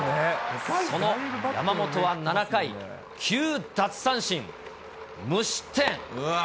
その山本は７回、９奪三振無失点。